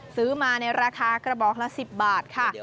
ซื้อมาในราคากระบอกละ๑๐บาทค่ะ